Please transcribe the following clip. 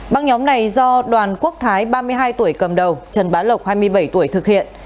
băng nhóm này do đoàn quốc thái ba mươi hai tuổi cầm đầu trần bá lộc hai mươi bảy tuổi thực hiện